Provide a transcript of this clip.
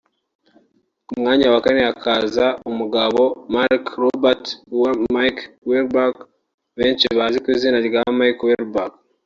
Ku mwanya wa kane haza umugabo Mark Robert Michael Wahlberg benshi bazi ku izina nka Mark Wahlberg